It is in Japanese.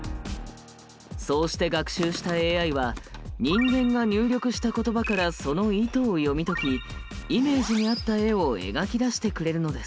そうして学習したＡＩは人間が入力した言葉からその意図を読み解きイメージに合った絵を描き出してくれるのです。